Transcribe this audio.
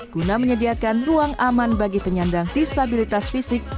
guna menyediakan ruang aman bagi penyandang disabilitas fisik